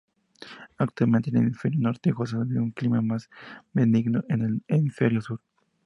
Actualmente el hemisferio Norte goza de un clima más benigno que el hemisferio Sur.